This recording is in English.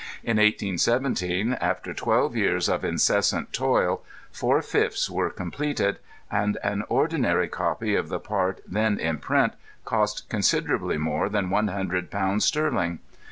In 1817, afrer twelve years of incessant toil, four fifrhs were completed, and an ordinary copy of the part then in print cost considera bly more than one hundred pounds sterling.